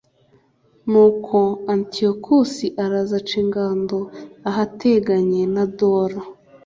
nuko antiyokusi araza aca ingando ahateganye na dora